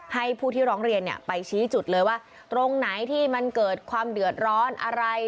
ให้ผู้ที่ร้องเรียนไปชี้จุดเลยว่าตรงไหนที่มันเกิดความเดือดร้อนอะไร